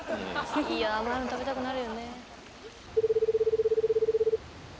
いや甘いの食べたくなるよねえ。